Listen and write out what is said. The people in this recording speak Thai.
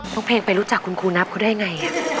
พร้อมเพลงไปรู้จักคุณครูนับคุณได้ไง